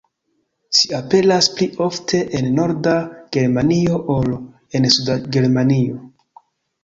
Ĝi aperas pli ofte en norda Germanio ol en suda Germanio.